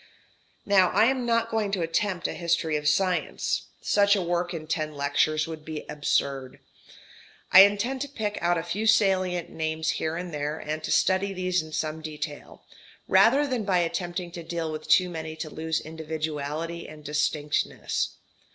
Now I am not going to attempt a history of science. Such a work in ten lectures would be absurd. I intend to pick out a few salient names here and there, and to study these in some detail, rather than by attempting to deal with too many to lose individuality and distinctness.